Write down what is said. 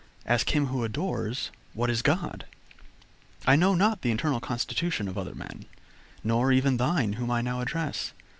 ask him who adores, what is God? I know not the internal constitution of other men, nor even thine, whom I now address.